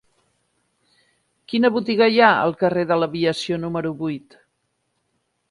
Quina botiga hi ha al carrer de l'Aviació número vuit?